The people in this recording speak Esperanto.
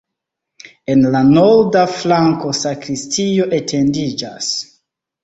En la norda flanko sakristio etendiĝas.